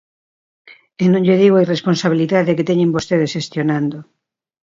E non lle digo a irresponsabilidade que teñen vostedes xestionando.